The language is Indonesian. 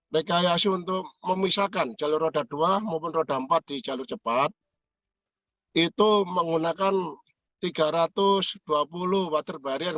rekayasa untuk memisahkan jalur roda dua maupun roda empat di jalur jalan